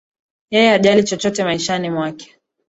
Yeye hajali chochote maishani mwake